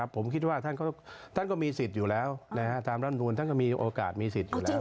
ผมคิดว่าท่านก็มีสิทธิ์อยู่แล้วตามรัฐมนูลท่านก็มีโอกาสมีสิทธิ์อยู่แล้ว